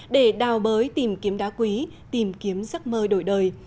để đào bới tìm kiếm đá quý tìm kiếm giấc mơ đổi đời